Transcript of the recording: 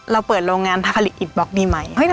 เราเปิดโรงงานผลิตอิดบล็อกดีไหม